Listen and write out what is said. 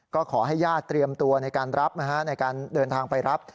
ก็ขอให้ญาติเตรียมตัวในการรับในการเดินทางไปรับ